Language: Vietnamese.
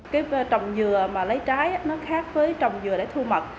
cái trồng dừa mà lấy trái nó khác với trồng dừa để thu mật